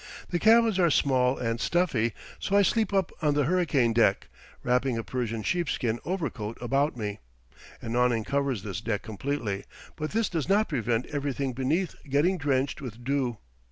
The cabins are small and stuffy, so I sleep up on the hurricane deck, wrapping a Persian sheepskin overcoat about me. An awning covers this deck completely, but this does not prevent everything beneath getting drenched with dew.